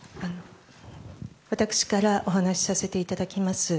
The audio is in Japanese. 私からお話しさせていただきます。